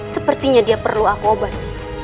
sepertinya dia perlu aku obat